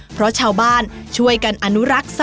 เพราะชาวบ้านช่วยกันอนุรักษ์